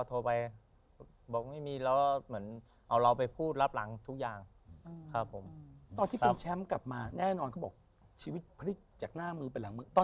ตอนที่คุณช้ำกลับมาแน่นอนบอกว่าชีวิตพลิกจากหน้ามือไปหลังมือ